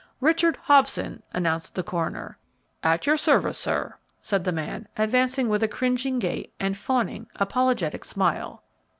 "Richard Hobson," announced the coroner. "At your service, sir," said the man, advancing with a cringing gait and fawning, apologetic smile.